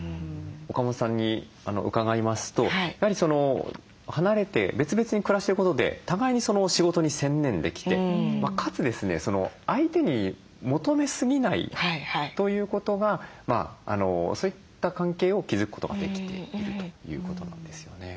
岡本さんに伺いますと離れて別々に暮らしてることで互いに仕事に専念できてかつ相手に求めすぎないということがそういった関係を築くことができているということなんですよね。